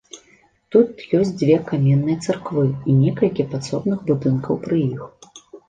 Тут ёсць дзве каменныя царквы і некалькі падсобных будынкаў пры іх.